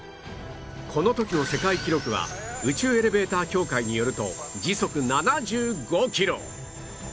この時の世界記録は宇宙エレベーター協会によると時速７５キロ